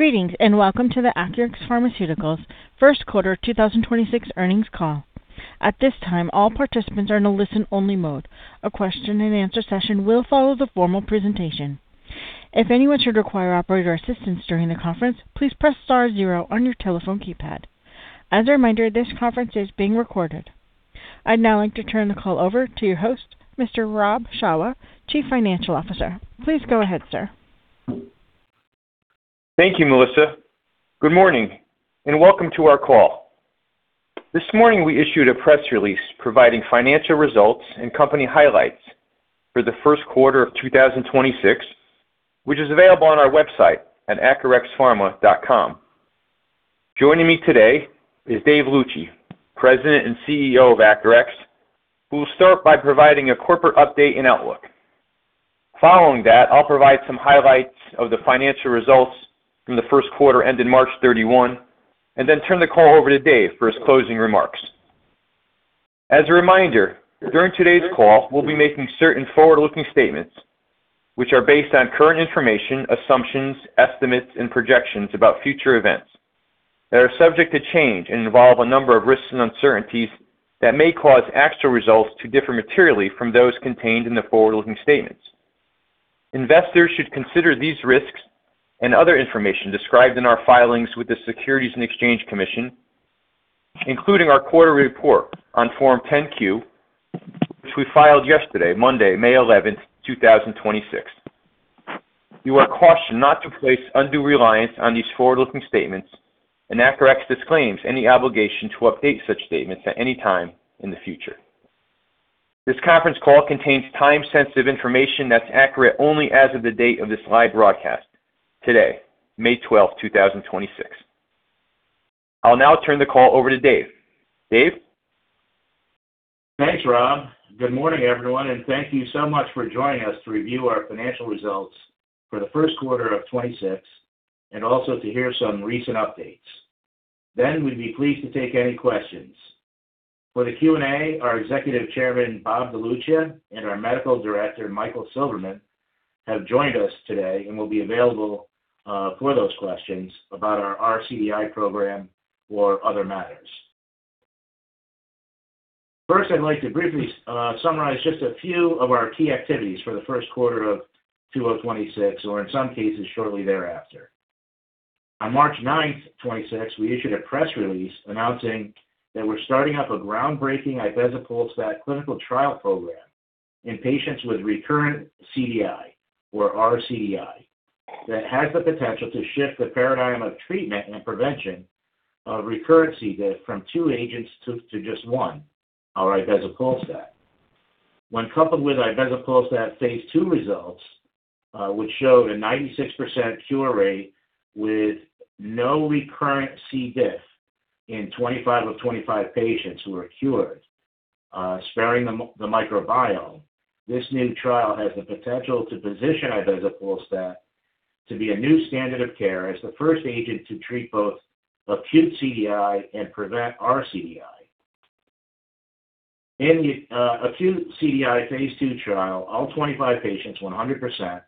Greetings, welcome to the Acurx Pharmaceuticals First Quarter 2026 Earnings Call. At this time, all participants are in a listen only mode. A question and answer session will follow the formal presentation. If anyone should require operator assistance during the conference, please press star zero on your telephone keypad. As a reminder, this conference is being recorded. I'd now like to turn the call over to your host, Mr. Rob Shawah, Chief Financial Officer. Please go ahead, sir. Thank you, Melissa. Good morning, and welcome to our call. This morning, we issued a press release providing financial results and company highlights for the first quarter of 2026, which is available on our website at acurxpharma.com. Joining me today is David Luci, President and Chief Executive Officer of Acurx, who will start by providing a corporate update and outlook. Following that, I'll provide some highlights of the financial results from the first quarter ending March 31, and then turn the call over to David for his closing remarks. As a reminder, during today's call, we'll be making certain forward-looking statements which are based on current information, assumptions, estimates, and projections about future events that are subject to change and involve a number of risks and uncertainties that may cause actual results to differ materially from those contained in the forward-looking statements. Investors should consider these risks and other information described in our filings with the Securities and Exchange Commission, including our quarter report on Form 10-Q, which we filed yesterday, Monday, May 11, 2026. You are cautioned not to place undue reliance on these forward-looking statements. Acurx disclaims any obligation to update such statements at any time in the future. This conference call contains time-sensitive information that's accurate only as of the date of this live broadcast, today, May 12, 2026. I'll now turn the call over to Dave. Dave? Thanks, Rob. Good morning, everyone, and thank you so much for joining us to review our financial results for the first quarter of 2026 and also to hear some recent updates. We'd be pleased to take any questions. For the Q&A, our Executive Chairman, Bob DeLuccia, and our Medical Director, Michael Silverman, have joined us today and will be available for those questions about our rCDI program or other matters. First, I'd like to briefly summarize just a few of our key activities for the first quarter of 2026, or in some cases, shortly thereafter. On March 9th, 2026, we issued a press release announcing that we're starting up a groundbreaking ibezapolstat clinical trial program in patients with recurrent CDI or rCDI that has the potential to shift the paradigm of treatment and prevention of recurrent C. From two agents to just one, our ibezapolstat. When coupled with ibezapolstat phase II results, which showed a 96% cure rate with no recurrent C. difficile in 25 of 25 patients who were cured, sparing the microbiome, this new trial has the potential to position ibezapolstat to be a new standard of care as the first agent to treat both acute CDI and prevent rCDI. In the acute CDI phase II trial, all 25 patients, 100%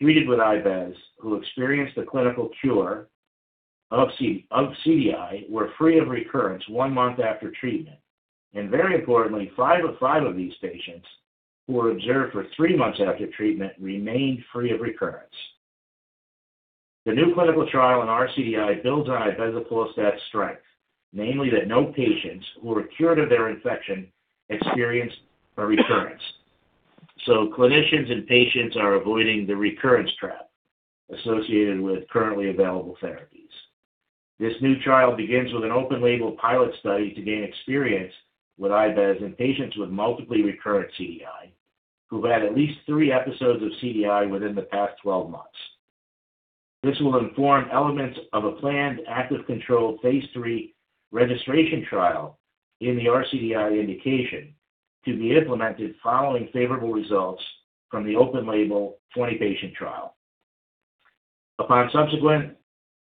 treated with ibe who experienced a clinical cure of CDI were free of recurrence one month after treatment. Very importantly, five of these patients who were observed for three months after treatment remained free of recurrence. The new clinical trial in rCDI builds on ibezapolstat's strength, namely that no patients who were cured of their infection experienced a recurrence. Clinicians and patients are avoiding the recurrence trap associated with currently available therapies. This new trial begins with an open label pilot study to gain experience with ibezapolstat in patients with multiply recurrent CDI who've had at least three episodes of CDI within the past 12 months. This will inform elements of a planned active control phase III registration trial in the rCDI indication to be implemented following favorable results from the open label 20-patient trial. Upon subsequent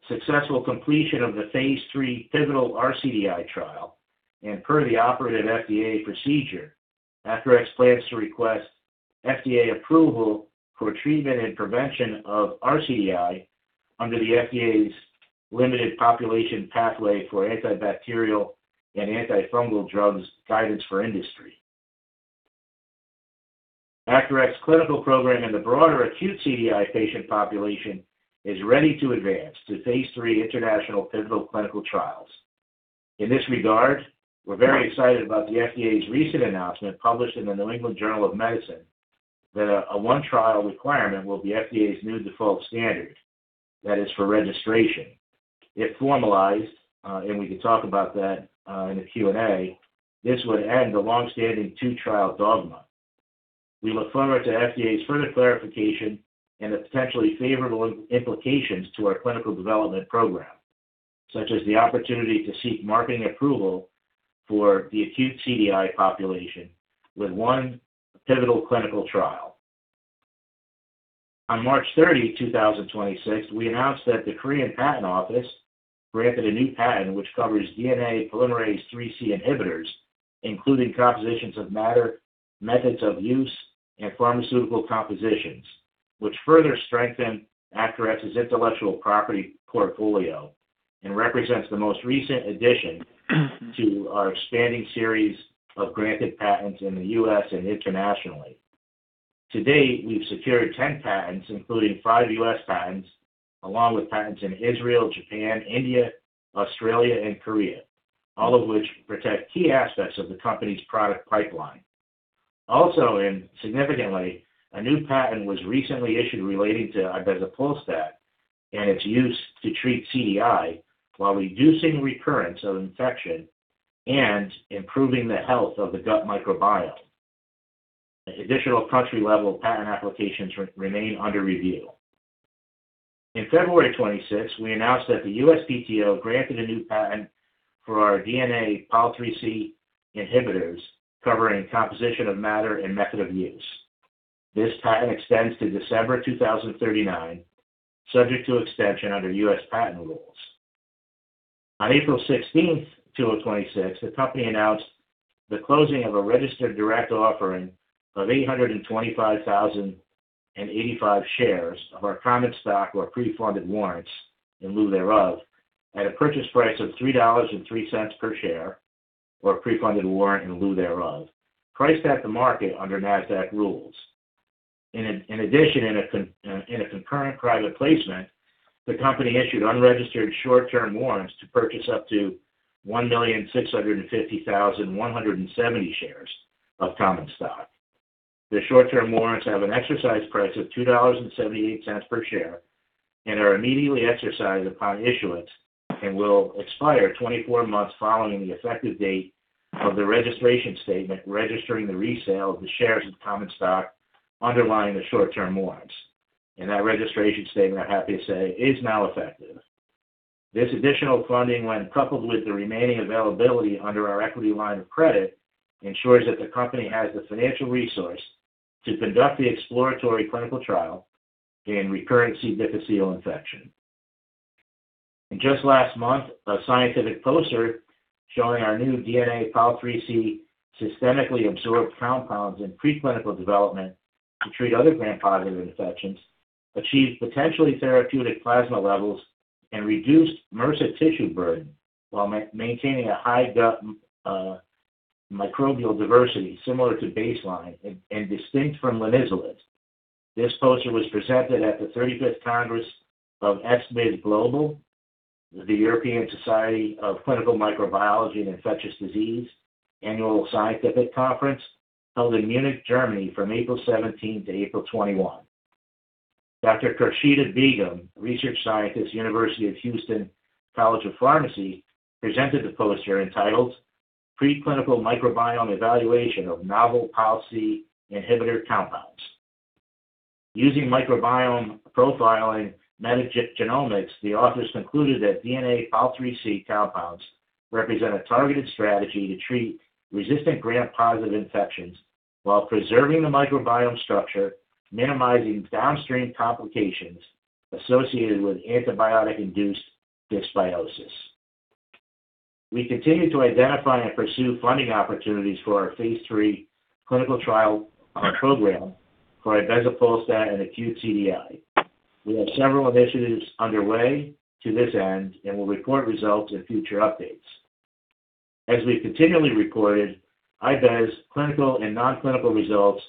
successful completion of the phase III pivotal rCDI trial and per the operative FDA procedure, Acurx plans to request FDA approval for treatment and prevention of rCDI under the FDA's limited population pathway for antibacterial and antifungal drugs guidance for industry. Acurx clinical program in the broader acute CDI patient population is ready to advance to phase III international pivotal clinical trials. In this regard, we're very excited about the FDA's recent announcement published in the New England Journal of Medicine that a one trial requirement will be FDA's new default standard. That is for registration. If formalized, and we can talk about that in the Q&A, this would end the long-standing two-trial dogma. We look forward to FDA's further clarification and the potentially favorable implications to our clinical development program, such as the opportunity to seek marketing approval for the acute CDI population with one pivotal clinical trial. On March 30, 2026, we announced that the Korean Intellectual Property Office granted a new patent which covers DNA polymerase IIIC inhibitors, including compositions of matter, methods of use, and pharmaceutical compositions, which further strengthen Acurx's intellectual property portfolio and represents the most recent addition to our expanding series of granted patents in the U.S. and internationally. To date, we've secured 10 patents, including five U.S. patents, along with patents in Israel, Japan, India, Australia, and Korea, all of which protect key aspects of the company's product pipeline. Significantly, a new patent was recently issued relating to ibezapolstat and its use to treat CDI while reducing recurrence of infection and improving the health of the gut microbiome. Additional country-level patent applications remain under review. In February 2026, we announced that the USPTO granted a new patent for our DNA pol IIIC inhibitors covering composition of matter and method of use. This patent extends to December 2039, subject to extension under U.S. patent rules. On April 16th, 2026, the company announced the closing of a registered direct offering of 825,085 shares of our common stock or pre-funded warrants in lieu thereof at a purchase price of $3.03 per share or pre-funded warrant in lieu thereof, priced at the market under Nasdaq rules. In addition, in a concurrent private placement, the company issued unregistered short-term warrants to purchase up to 1,650,170 shares of common stock. The short-term warrants have an exercise price of $2.78 per share and are immediately exercised upon issuance and will expire 24 months following the effective date of the registration statement registering the resale of the shares of common stock underlying the short-term warrants. That registration statement, I'm happy to say, is now effective. This additional funding, when coupled with the remaining availability under our equity line of credit, ensures that the company has the financial resource to conduct the exploratory clinical trial in recurrent C. difficile infection. Just last month, a scientific poster showing our new DNA pol IIIC systemically absorbed compounds in preclinical development to treat other Gram-positive infections achieved potentially therapeutic plasma levels and reduced MRSA tissue burden while maintaining a high gut microbial diversity similar to baseline and distinct from linezolid. This poster was presented at the 35th Congress of ESCMID Global, the European Society of Clinical Microbiology and Infectious Diseases Annual Scientific Conference, held in Munich, Germany from April 17 to April 21. Dr. Khurshida Begum, research scientist, University of Houston College of Pharmacy, presented the poster entitled Preclinical Microbiome Evaluation of Novel DNA pol IIIC Inhibitor Compounds. Using microbiome profiling metagenomics, the authors concluded that DNA pol IIIC compounds represent a targeted strategy to treat resistant Gram-positive infections while preserving the microbiome structure, minimizing downstream complications associated with antibiotic-induced dysbiosis. We continue to identify and pursue funding opportunities for our phase III clinical trial program for ibezapolstat and acute CDI. We have several initiatives underway to this end and will report results in future updates. As we've continually reported, ibez clinical and non-clinical results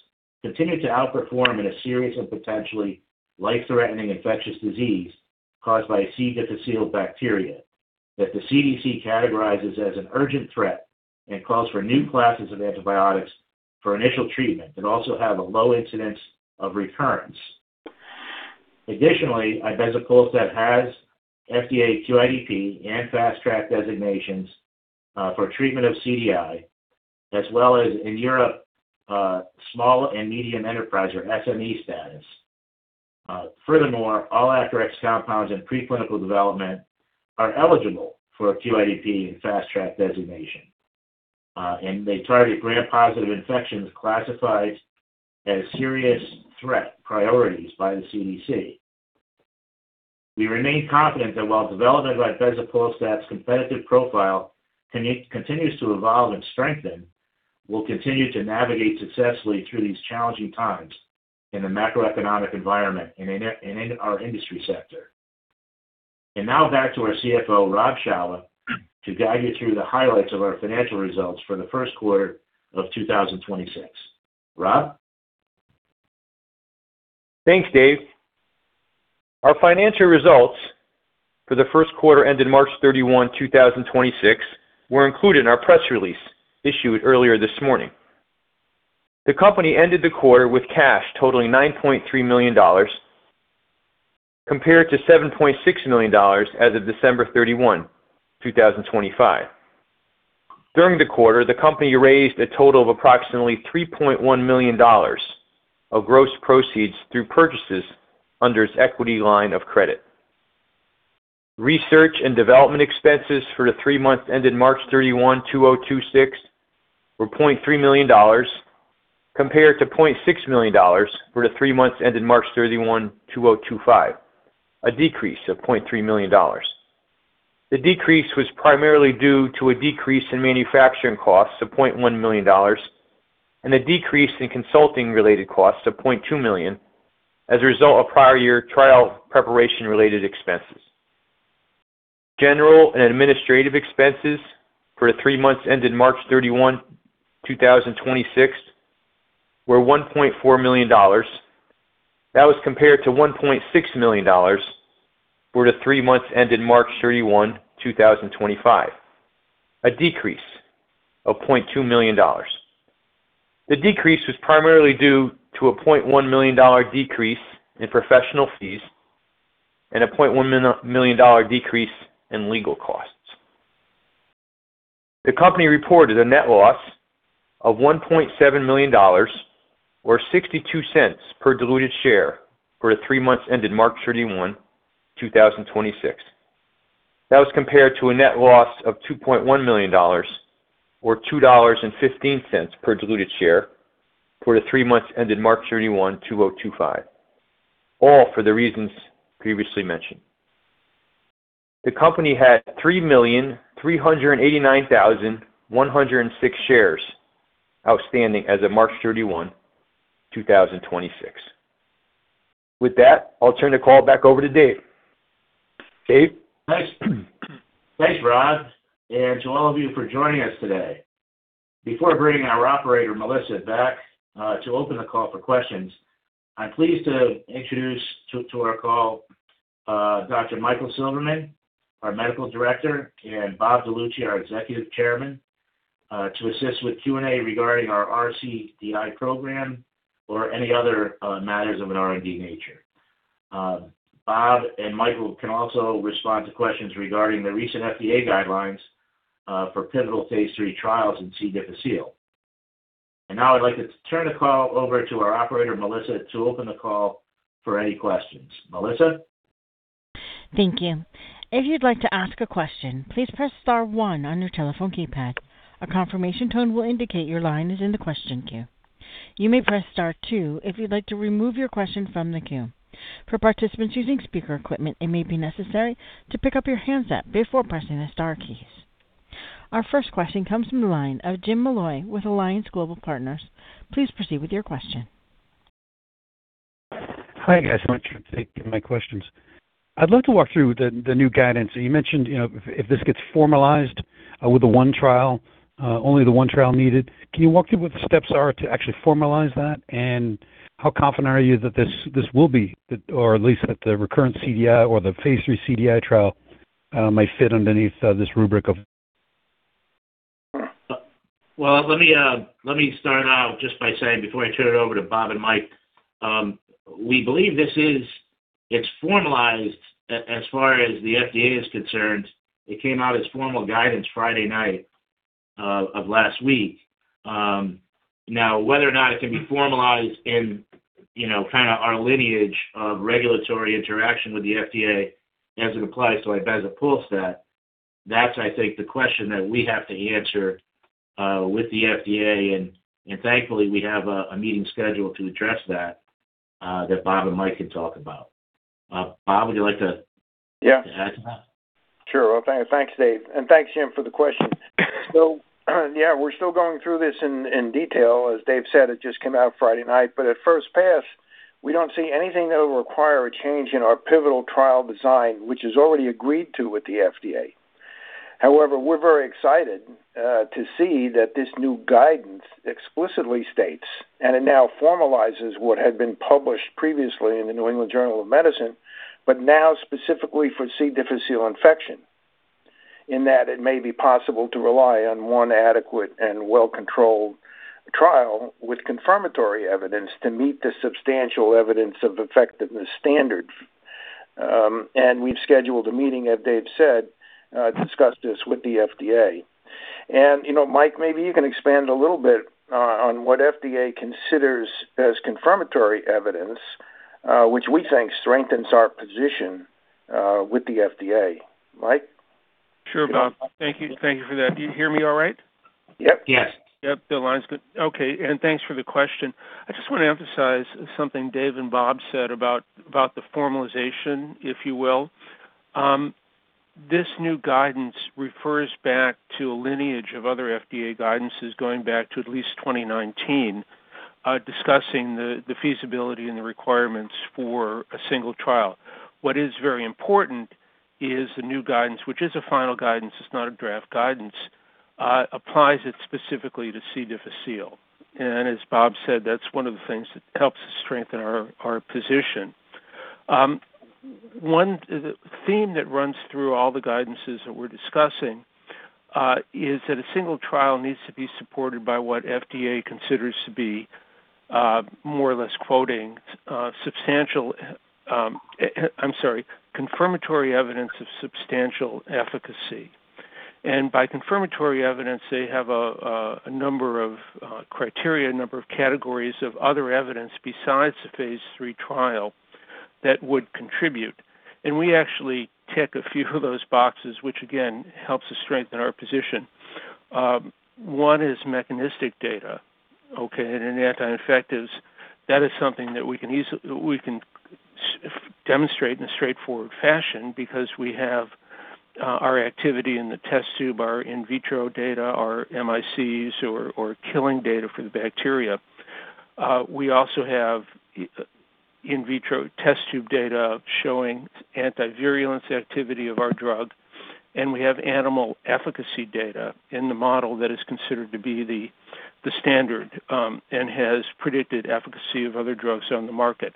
continue to outperform in a series of potentially life-threatening infectious disease caused by C. difficile bacteria that the CDC categorizes as an urgent threat and calls for new classes of antibiotics for initial treatment and also have a low incidence of recurrence. Ibezapolstat has FDA QIDP and Fast Track designations for treatment of CDI, as well as in Europe, small and medium enterprise or SME status. All Acurx compounds in preclinical development are eligible for QIDP and Fast Track designation, and they target Gram-positive infections classified as serious threat priorities by the CDC. We remain confident that while development of ibezapolstat's competitive profile continues to evolve and strengthen, we'll continue to navigate successfully through these challenging times in the macroeconomic environment in our industry sector. Back to our CFO, Rob Shawah, to guide you through the highlights of our financial results for the first quarter of 2026. Rob. Thanks, Dave. Our financial results for the first quarter ended March 31, 2026, were included in our press release issued earlier this morning. The company ended the quarter with cash totaling $9.3 million compared to $7.6 million as of December 31, 2025. During the quarter, the company raised a total of approximately $3.1 million of gross proceeds through purchases under its equity line of credit. Research and development expenses for the three months ended March 31, 2026, were $0.3 million. Compared to $0.6 million for the three months ended March 31, 2025, a decrease of $0.3 million. The decrease was primarily due to a decrease in manufacturing costs of $0.1 million and a decrease in consulting related costs of $0.2 million as a result of prior year trial preparation related expenses. General and administrative expenses for the three months ended March 31, 2026 were $1.4 million. That was compared to $1.6 million for the three months ended March 31, 2025, a decrease of $0.2 million. The decrease was primarily due to a $0.1 million decrease in professional fees and a $0.1 million decrease in legal costs. The company reported a net loss of $1.7 million or $0.62 per diluted share for the three months ended March 31, 2026. That was compared to a net loss of $2.1 million or $2.15 per diluted share for the three months ended March 31, 2025, all for the reasons previously mentioned. The company had 3,389,106 shares outstanding as of March 31, 2026. With that, I'll turn the call back over to Dave. Dave? Thanks. Thanks, Rob, and to all of you for joining us today. Before bringing our operator, Melissa, back to open the call for questions, I'm pleased to introduce to our call Dr. Michael Silverman, our Medical Director, and Bob DeLuccia, our Executive Chairman, to assist with Q&A regarding our rCDI program or any other matters of an R&D nature. Bob and Michael can also respond to questions regarding the recent FDA guidelines for pivotal phase III trials in C. difficile. Now I'd like to turn the call over to our operator, Melissa, to open the call for any questions. Melissa? Thank you. If you like to ask a question, please press star one on your telephone keypad. A confirmation tone will indicate your line is in the question queue. You may press star two if you'd like to remove your question from the queue. For participants using speaker equipment, it may be necessary to pick up your handset before pressing the star key. Our first question comes from the line of James Molloy with Alliance Global Partners. Please proceed with your question. Hi, guys. I just take my questions. I'd love to walk through the new guidance. You mentioned, you know, if this gets formalized with the one trial, only the one trial needed. Can you walk through what the steps are to actually formalize that? How confident are you that this will be, or at least that the recurrent CDI or the phase III CDI trial might fit underneath this rubric of Well, let me start out just by saying, before I turn it over to Bob and Mike, we believe this is it's formalized as far as the FDA is concerned. It came out as formal guidance Friday night of last week. Now, whether or not it can be formalized in, you know, kind of our lineage of regulatory interaction with the FDA as it applies to ibezapolstat, that's, I think, the question that we have to answer with the FDA. Thankfully, we have a meeting scheduled to address that Bob and Mike can talk about. Bob, would you like to- Yeah. Add to that? Sure. Well, thanks, Dave, and thanks, James, for the question. Yeah, we're still going through this in detail. As Dave said, it just came out Friday night. At first pass, we don't see anything that will require a change in our pivotal trial design, which is already agreed to with the FDA. However, we're very excited to see that this new guidance explicitly states, and it now formalizes what had been published previously in the New England Journal of Medicine, but now specifically for C. difficile infection, in that it may be possible to rely on one adequate and well-controlled trial with confirmatory evidence to meet the substantial evidence of effectiveness standards. We've scheduled a meeting, as Dave said, to discuss this with the FDA. You know, Mike, maybe you can expand a little bit on what FDA considers as confirmatory evidence, which we think strengthens our position with the FDA. Mike? Sure, Bob. Thank you. Thank you for that. Do you hear me all right? Yep. Yes. Yep, the line's good. Okay, thanks for the question. I just want to emphasize something David Luci and Robert DeLuccia said about the formalization, if you will. This new guidance refers back to a lineage of other FDA guidances going back to at least 2019, discussing the feasibility and the requirements for a single trial. What is very important is the new guidance, which is a final guidance, it's not a draft guidance, applies it specifically to C. difficile. As Bob said, that's one of the things that helps to strengthen our position. The theme that runs through all the guidances that we're discussing is that a single trial needs to be supported by what FDA considers to be, more or less quoting, substantial, I'm sorry, confirmatory evidence of substantial efficacy. By confirmatory evidence, they have a number of criteria, a number of categories of other evidence besides the phase III trial. That would contribute. We actually tick a few of those boxes, which again, helps us strengthen our position. One is mechanistic data, okay? In anti-infectives, that is something that we can demonstrate in a straightforward fashion because we have our activity in the test tube, our in vitro data, our MICs or killing data for the bacteria. We also have in vitro test tube data showing anti-virulence activity of our drug, and we have animal efficacy data in the model that is considered to be the standard, and has predicted efficacy of other drugs on the market.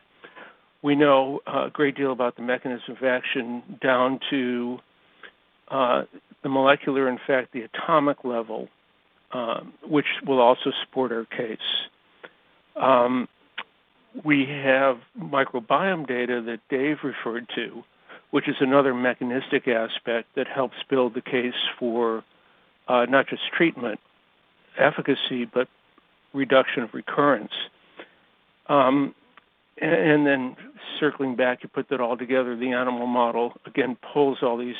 We know a great deal about the mechanism of action down to the molecular, in fact, the atomic level, which will also support our case. We have microbiome data that Dave referred to, which is another mechanistic aspect that helps build the case for not just treatment efficacy, but reduction of recurrence. Circling back to put that all together, the animal model, again, pulls all these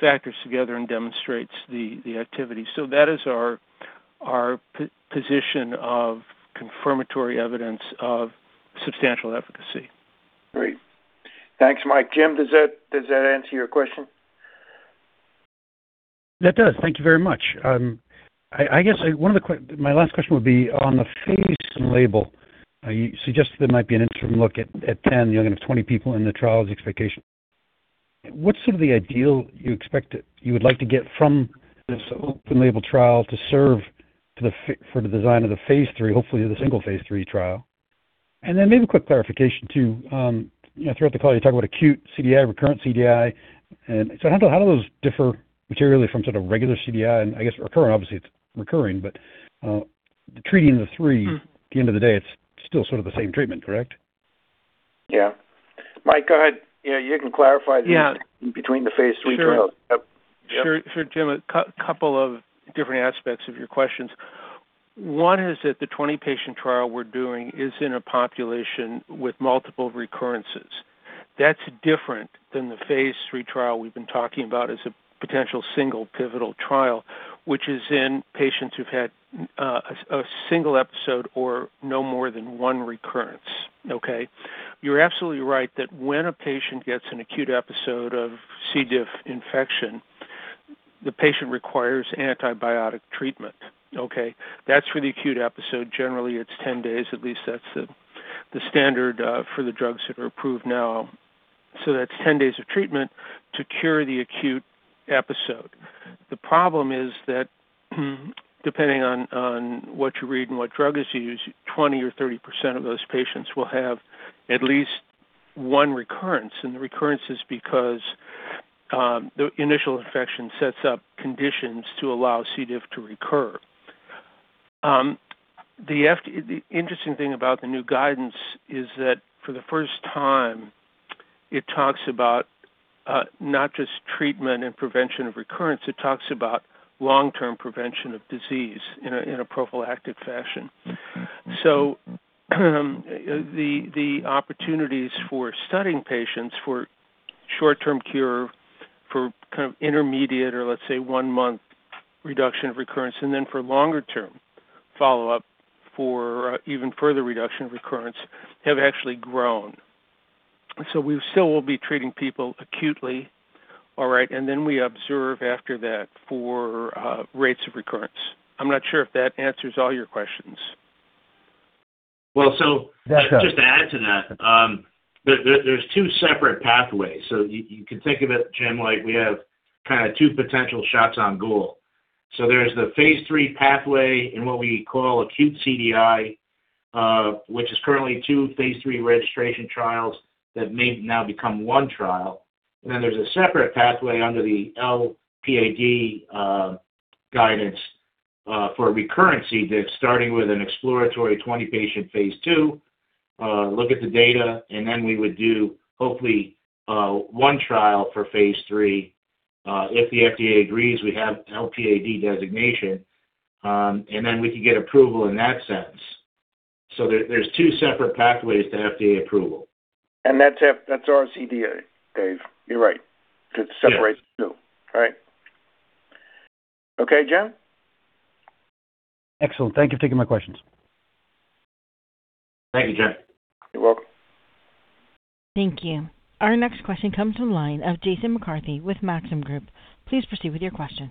factors together and demonstrates the activity. That is our position of confirmatory evidence of substantial efficacy. Great. Thanks, Mike. James, does that answer your question? That does. Thank you very much. I guess my last question would be on the phase label you suggest there might be an interim look at 10. You're gonna have 20 people in the trial's expectation. What's sort of the ideal you would like to get from this open label trial to serve for the design of the phase III hopefully the single phase III trial? Maybe a quick clarification too. You know throughout the call you talk about acute CDI recurrent CDI. How do those differ materially from sort of regular CDI? I guess recurrent obviously it's recurring but treating the three at the end of the day, it's still sort of the same treatment, correct? Yeah. Mike, go ahead. You know, you can clarify Yeah. Between the phase III trials. Sure. Yep. Sure. Sure, James. A couple of different aspects of your questions. One is that the 20-patient trial we're doing is in a population with multiple recurrences. That's different than the phase III trial we've been talking about as a potential single pivotal trial, which is in patients who've had a single episode or no more than one recurrence. Okay? You're absolutely right that when a patient gets an acute episode of C. diff infection, the patient requires antibiotic treatment. Okay? That's for the acute episode. Generally, it's 10 days, at least that's the standard for the drugs that are approved now. That's 10 days of treatment to cure the acute episode. The problem is that, depending on what you read and what drugs you use, 20% or 30% of those patients will have at least one recurrence. The recurrence is because the initial infection sets up conditions to allow C. diff to recur. The interesting thing about the new guidance is that for the first time, it talks about not just treatment and prevention of recurrence, it talks about long-term prevention of disease in a prophylactic fashion. The opportunities for studying patients for short-term cure, for kind of intermediate or let's say one-month reduction of recurrence, and then for longer-term follow-up for even further reduction of recurrence have actually grown. We still will be treating people acutely, all right? Then we observe after that for rates of recurrence. I'm not sure if that answers all your questions. Well. That. Just to add to that, there there's two separate pathways. you can think of it, James, like we have kinda two potential shots on goal. there's the phase III pathway in what we call acute CDI, which is currently two phase III registration trials that may now become one trial. there's a separate pathway under the LPAD, guidance, for recurrency that's starting with an exploratory 20-patient phase II, look at the data, and then we would do, hopefully, one trial for phase III, if the FDA agrees we have LPAD designation, and then we can get approval in that sense. there's two separate pathways to FDA approval. That's rCDI, Dave. You're right. To separate- Yeah. The two. Right. Okay, Jim? Excellent. Thank you for taking my questions. Thank you, Jim. You're welcome. Thank you. Our next question comes from the line of Jason McCarthy with Maxim Group. Please proceed with your question.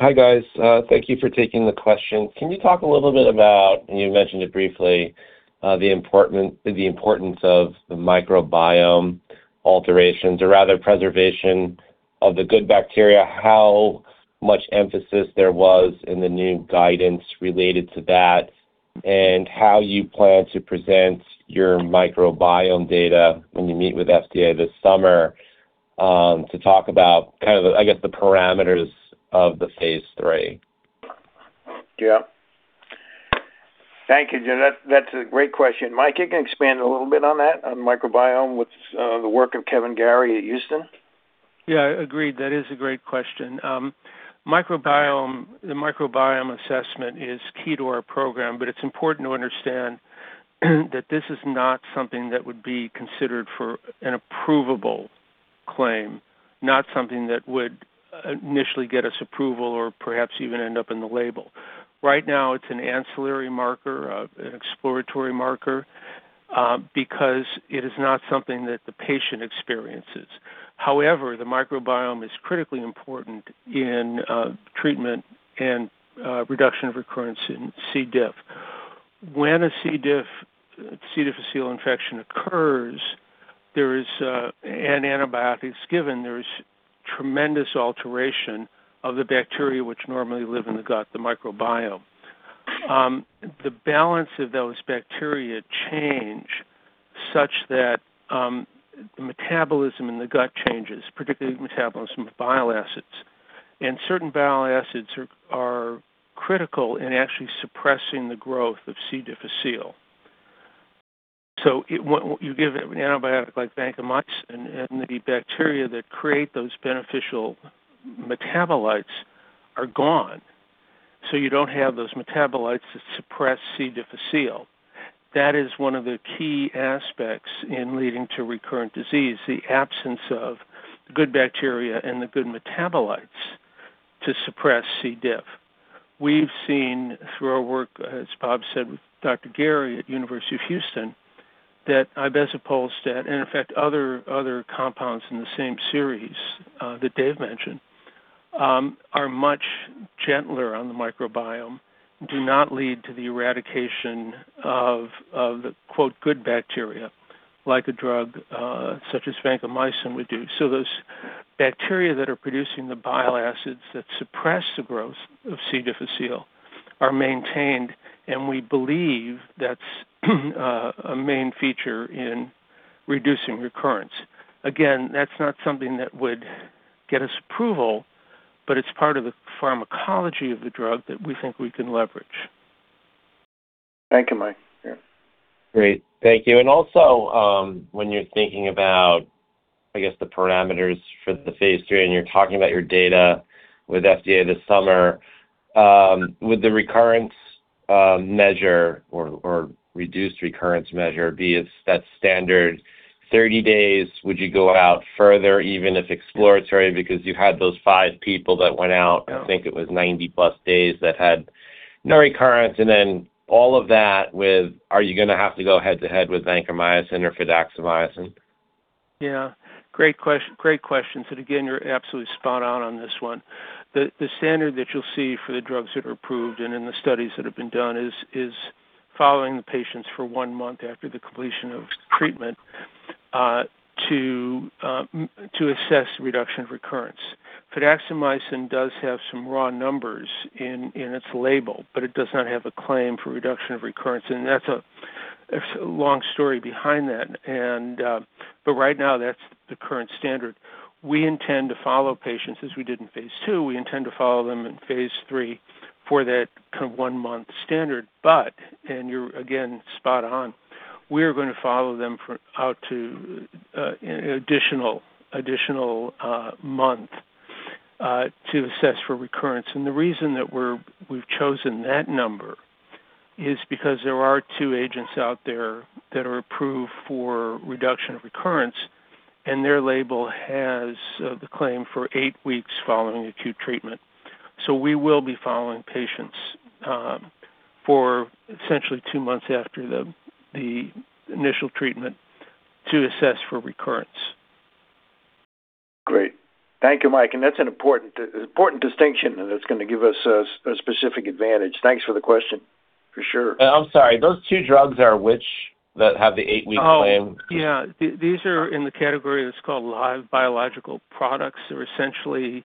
Hi, guys. Thank you for taking the question. Can you talk a little bit about, and you mentioned it briefly, the importance of the microbiome alterations or rather preservation of the good bacteria, how much emphasis there was in the new guidance related to that, and how you plan to present your microbiome data when you meet with FDA this summer, to talk about kind of, I guess, the parameters of the phase III? Yeah. Thank you, Jason. That's a great question. Mike, you can expand a little bit on that, on microbiome with the work of Kevin Gary at Houston. Yeah, agreed. That is a great question. Microbiome, the microbiome assessment is key to our program, but it's important to understand that this is not something that would be considered for an approvable claim, not something that would initially get us approval or perhaps even end up in the label. Right now, it's an ancillary marker, an exploratory marker, because it is not something that the patient experiences. However, the microbiome is critically important in treatment and reduction of recurrence in C. diff. When a C. diff, C. difficile infection occurs, an antibiotic is given, there is tremendous alteration of the bacteria which normally live in the gut, the microbiome. The balance of those bacteria change such that metabolism in the gut changes, particularly the metabolism of bile acids. Certain bile acids are critical in actually suppressing the growth of C. difficile. When you give an antibiotic like vancomycin and the bacteria that create those beneficial metabolites are gone. You don't have those metabolites that suppress C. difficile. That is one of the key aspects in leading to recurrent disease, the absence of good bacteria and the good metabolites to suppress C. diff. We've seen through our work, as Bob said, with Dr. Garey at University of Houston, that ibezapolstat, and in fact, other compounds in the same series that Dave mentioned are much gentler on the microbiome, do not lead to the eradication of the quote good bacteria, like a drug such as vancomycin would do. those bacteria that are producing the bile acids that suppress the growth of C. difficile are maintained, and we believe that's a main feature in reducing recurrence. Again, that's not something that would get us approval, but it's part of the pharmacology of the drug that we think we can leverage. Thank you, Mike. Yeah. Great. Thank you. Also, when you're thinking about, I guess, the parameters for the phase III, and you're talking about your data with FDA this summer, would the recurrence measure or reduced recurrence measure be it's that standard 30 days? Would you go out further, even if exploratory, because you had those five people that went out, I think it was 90+ days, that had no recurrence? all of that with, are you gonna have to go head-to-head with vancomycin or fidaxomicin? Great question. Again, you're absolutely spot on this one. The standard that you'll see for the drugs that are approved and in the studies that have been done is following the patients for one month after the completion of treatment, to assess reduction of recurrence. fidaxomicin does have some raw numbers in its label, but it does not have a claim for reduction of recurrence, and that's a long story behind that. Right now, that's the current standard. We intend to follow patients as we did in phase II. We intend to follow them in phase III for that kinda one-month standard. You're again, spot on, we are gonna follow them out to an additional month, to assess for recurrence. The reason that we've chosen that number is because there are two agents out there that are approved for reduction of recurrence, and their label has the claim for eight weeks following acute treatment. We will be following patients for essentially two months after the initial treatment to assess for recurrence. Great. Thank you, Mike. That's an important distinction, and it's gonna give us a specific advantage. Thanks for the question, for sure. I'm sorry, those two drugs are which that have the eight-week claim? Oh, yeah. These are in the category that's called live biological products. They're essentially,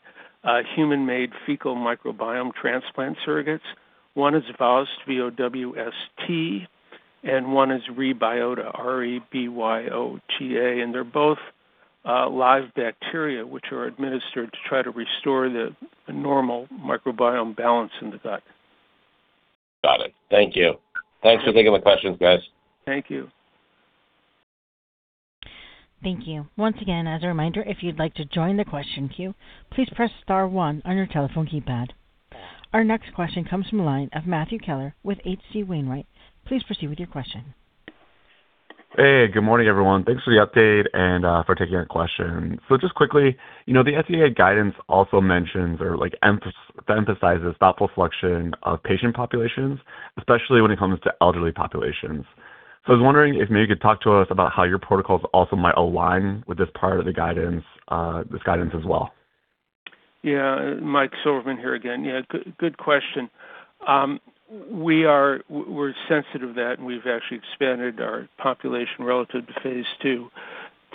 human-made fecal microbiome transplant surrogates. One is VOWST, V-O-W-S-T, and one is REBYOTA, R-E-B-Y-O-T-A. They're both, live bacteria, which are administered to try to restore the normal microbiome balance in the gut. Got it. Thank you. Thanks for taking the questions, guys. Thank you. Thank you. Once again, as a reminder, if you'd like to join the question queue, please press star one on your telephone keypad. Our next question comes from the line of Matthew Keller with H.C. Wainwright. Please proceed with your question. Hey, good morning, everyone. Thanks for the update and for taking our question. Just quickly, you know, the FDA guidance also mentions or, like, emphasizes thoughtful selection of patient populations, especially when it comes to elderly populations. I was wondering if maybe you could talk to us about how your protocols also might align with this part of the guidance, this guidance as well. Michael Silverman here again. Good question. We're sensitive to that, we've actually expanded our population relative to phase II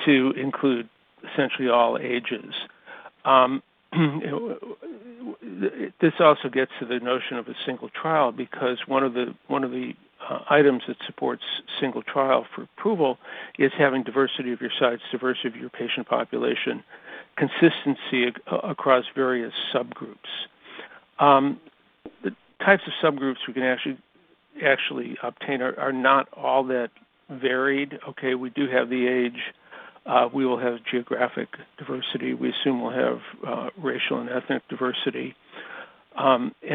to include essentially all ages. This also gets to the notion of a single trial because one of the items that supports single trial for approval is having diversity of your sites, diversity of your patient population, consistency across various subgroups. The types of subgroups we can actually obtain are not all that varied. Okay. We do have the age. We will have geographic diversity. We assume we'll have racial and ethnic diversity. The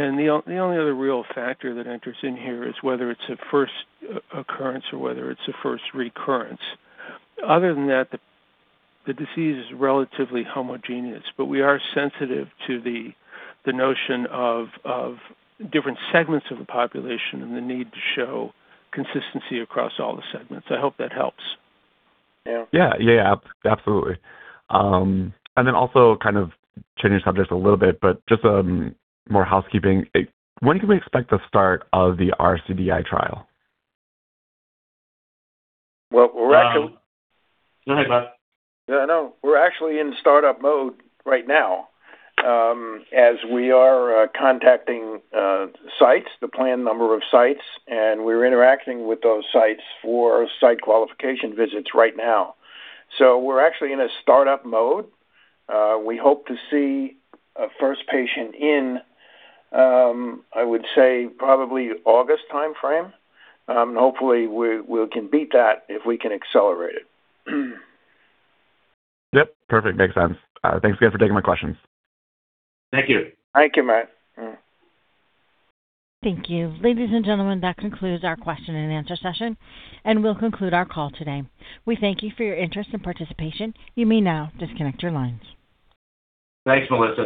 only other real factor that enters in here is whether it's a first occurrence or whether it's a first recurrence. Other than that, the disease is relatively homogeneous, but we are sensitive to the notion of different segments of the population and the need to show consistency across all the segments. I hope that helps. Yeah. Yeah. Yeah, absolutely. Also kind of changing subjects a little bit, but just more housekeeping. When can we expect the start of the rCDI trial? Well, we're actually Go ahead, Bob. Yeah, no. We're actually in startup mode right now, as we are, contacting, sites, the planned number of sites, and we're interacting with those sites for site qualification visits right now. We're actually in a startup mode. We hope to see a first patient in, I would say probably August timeframe. Hopefully we can beat that if we can accelerate it. Yep. Perfect. Makes sense. Thanks again for taking my questions. Thank you. Thank you, Matt. Thank you. Ladies and gentlemen, that concludes our question and answer session, and we'll conclude our call today. We thank you for your interest and participation. You may now disconnect your lines. Thanks, Melissa